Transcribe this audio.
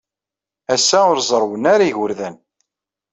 Ass-a, ur zerrwen ara yigerdan.